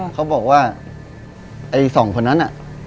เขาบอกว่าไอ้สองคนนั้นน่ะ